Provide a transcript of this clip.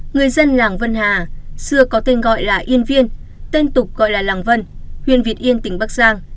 người dân làng vân hà xưa có tên gọi là yên viên tên tục gọi là làng vân huyện việt yên tỉnh bắc giang